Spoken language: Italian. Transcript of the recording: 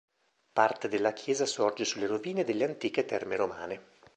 Parte della chiesa sorge sulle rovine delle antiche terme romane.